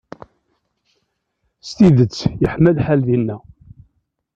S tidet yeḥma lḥal dinna.